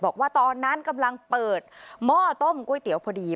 บอกว่าตอนนั้นกำลังเปิดหม้อต้มก๋วยเตี๋ยวพอดี